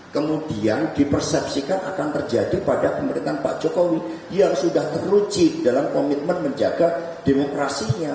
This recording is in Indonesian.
kemudian dipersepsikan akan terjadi pada pemerintahan pak jokowi yang sudah teruci dalam komitmen menjaga demokrasinya